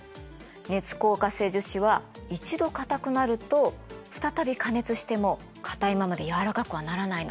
熱硬化性樹脂は一度硬くなると再び加熱しても硬いままで軟らかくはならないの。